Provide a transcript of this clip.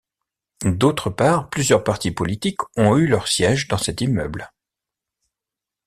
D'autre part, plusieurs partis politiques ont eu leur siège dans cet immeuble.